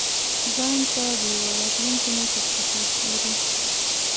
ځان ته د یوه راتلونکي مشر په حیث ګوري.